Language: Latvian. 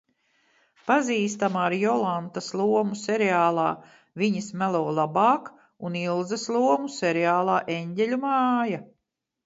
Pazīstama ar Jolantas lomu seriālā Viņas melo labāk un Ilzes lomu seriālā Eņģeļu māja.